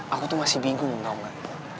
aku tuh masih bingung tau gak